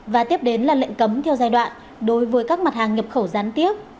và tiếp đến là lệnh cấm theo giai đoạn đối với các mặt hàng nhập khẩu gián tiếp